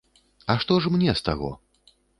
А што ж мне з таго?